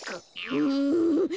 うん。